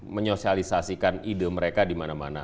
menyosialisasikan ide mereka dimana mana